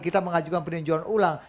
kita mengajukan peninjauan ulang